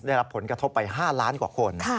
ได้รับผลกระทบไป๕ล้านกว่าคน